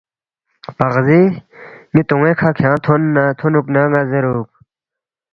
پقزی ن٘ی تونگوے کھہ کھیانگ تھونُوکنا ن٘ا زیرُوک